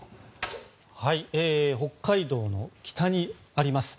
北海道の北にあります。